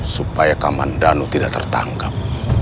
supaya kak mandano tidak tertangkap